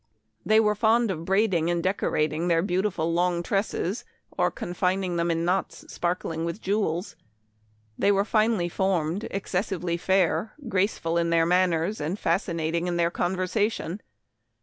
They were fond of braiding and decorating their beautiful long tresses, or confining them in knots sparkling with jewels. They were finely formed, excessively fair, graceful in their manners, and fascinating in their conversation.